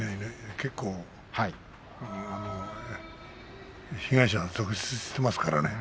結構、被害者続出していますからね。